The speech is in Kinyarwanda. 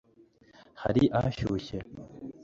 yari ashyushye